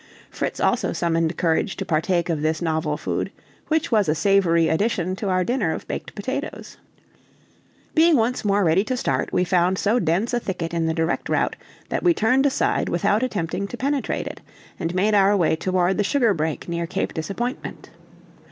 Fritz also summoned courage to partake of this novel food, which was a savory addition to our dinner of baked potatoes. Being once more ready to start, we found so dense a thicket in the direct route that we turned aside without attempting to penetrate it, and made our way toward the sugar brake near Cape Disappointment.